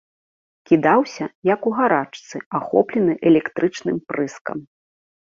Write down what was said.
Кідаўся, як у гарачцы, ахоплены электрычным прыскам.